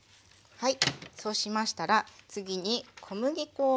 はい。